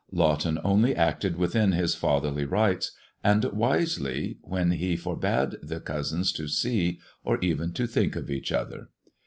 Lawton only acted within his fatherly rights, ^^ wisely, when* he forbade the cousins to see, or even '^ "ttink of each other.